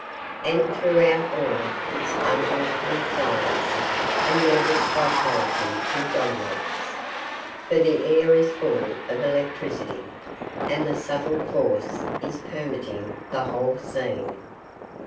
And throughout all this unearthly silence a nervous vitality predominates, for the air is full of electricity, and the subtle force is permeating the whole scene.